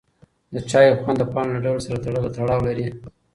د چای خوند د پاڼو له ډول سره تړاو لري.